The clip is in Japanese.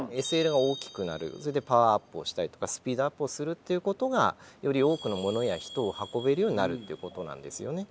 ＳＬが大きくなるそれでパワーアップをしたりとかスピードアップをするっていうことがより多くのものや人を運べるようになるっていうことなんですよね。